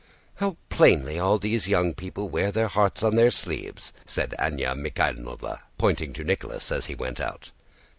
"How plainly all these young people wear their hearts on their sleeves!" said Anna Mikháylovna, pointing to Nicholas as he went out.